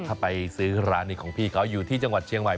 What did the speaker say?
ถ้าไปซื้อร้านนี้ของพี่เขาอยู่ที่จังหวัดเชียงใหม่